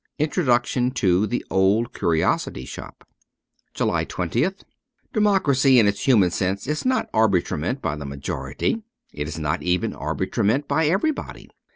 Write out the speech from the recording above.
Introduction to ' The Old Curiosity Shop.'' 223 JULY 20th DEMOCRACY in its human sense is not arbitrament by the majority ; it is not even arbitrament by everybody.